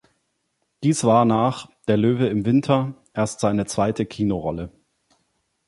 Dies war nach "Der Löwe im Winter" erst seine zweite Kinorolle.